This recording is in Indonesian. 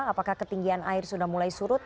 apakah ketinggian air sudah mulai surut